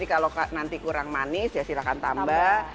kalau nanti kurang manis ya silahkan tambah